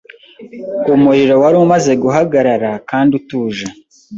Umuriro wari umaze guhagarara kandi utuje